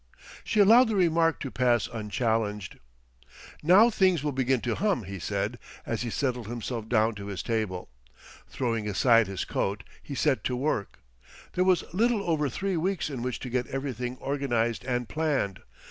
She allowed the remark to pass unchallenged. "Now things will begin to hum," he said, as he settled himself down to his table. Throwing aside his coat, he set to work. There was little over three weeks in which to get everything organised and planned.